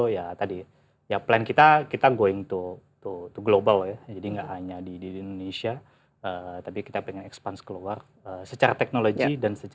ya tadi ya plan kita kita going to global ya jadi nggak hanya di indonesia tapi kita pengen expanse keluar secara teknologi